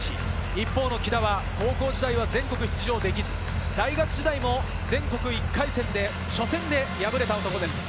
一方、木田は高校時代は全国出場できず、大学時代も全国１回戦の初戦で敗れた男です。